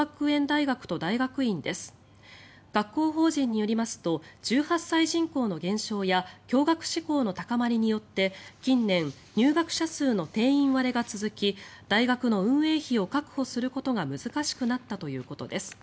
学校法人によりますと１８歳人口の減少や共学志向の高まりによって近年、入学者数の定員割れが続き大学の運営費を確保することが難しくなったということです。